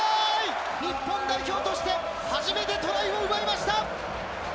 日本代表として、初めてトライを奪いました。